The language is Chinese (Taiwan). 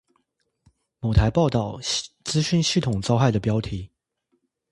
某台報導資訊系統遭害的標題